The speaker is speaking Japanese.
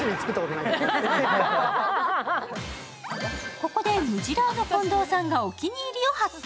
ここでムジラーの近藤さんがお気に入りを発見。